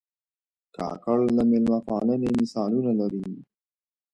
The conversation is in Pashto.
کاکړ د مېلمه پالنې مثالونه لري.